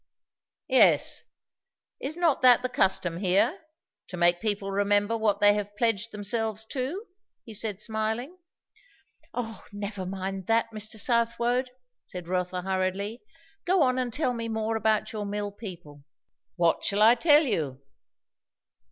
"Yes. Is not that the custom here? to make people remember what they have pledged themselves to? " he said smiling. "Oh never mind that, Mr. Southwode!" said Rotha hurriedly. "Go on and tell me more about your mill people." "What shall I tell you?"